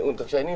untuk saya ini